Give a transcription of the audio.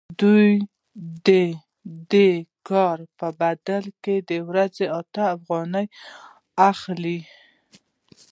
دوی د دې کار په بدل کې د ورځې اتیا افغانۍ واخلي